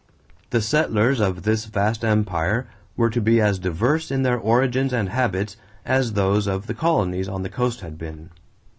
The settlers of this vast empire were to be as diverse in their origins and habits as those of the colonies on the coast had been.